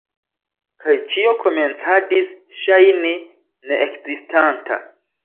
Kaj ĉio komencadis ŝajni neekzistanta.